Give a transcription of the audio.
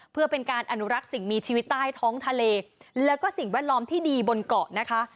เพื่อเป็นการอนุรักษ์สิ่งมีชีวิตใต้ท้องทะเลแล้วก็สิ่งแวดล้อมที่ดีบนเกาะนะคะ